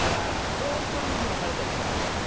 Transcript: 本当にいい議論されてたと思いました。